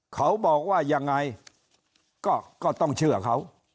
เขาบอกว่ายังไงก็ต้องเชื่อเขา